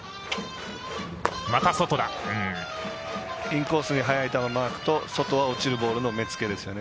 インコースに速い球マークと外に落ちるボールの目つけですよね。